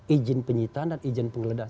izin penyitaan dan izin penggeledahan